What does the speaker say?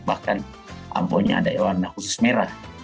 bahkan amponya ada warna khusus merah